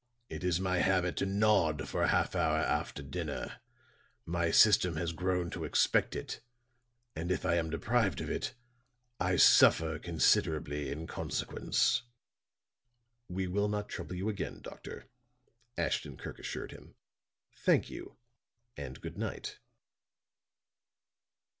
It is my habit to nod for a half hour after dinner. My system has grown to expect it, and if I am deprived of it, I suffer considerably in consequence." "We will not trouble you again, doctor," Ashton Kirk assured him. "Thank you, and good night."